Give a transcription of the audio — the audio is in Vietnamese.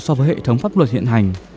so với hệ thống pháp luật hiện hành